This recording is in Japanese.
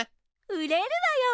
売れるわよ！